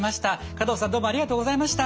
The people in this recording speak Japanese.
加藤さんどうもありがとうございました。